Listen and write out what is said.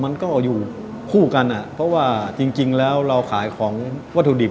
มันก็อยู่คู่กันอ่ะเพราะว่าจริงแล้วเราขายของวัตถุดิบ